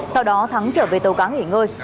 sau đó thắng trở về tàu cá nghỉ ngơi